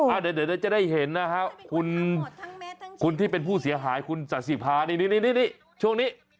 เดี๋ยวจะได้เห็นนะฮะคุณที่เป็นผู้เสียหายคุณสาธิภานี่ช่วงนี้